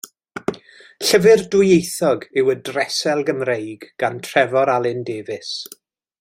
Llyfr dwyieithog yw Y Ddresel Gymreig gan Trefor Alun Davies.